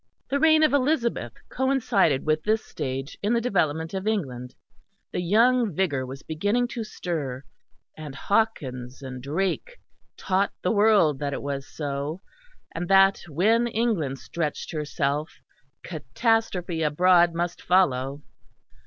The reign of Elizabeth coincided with this stage in the development of England. The young vigour was beginning to stir and Hawkins and Drake taught the world that it was so, and that when England stretched herself catastrophe abroad must follow.